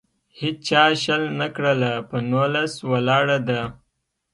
هیچا شل نه کړله. په نولس ولاړه ده.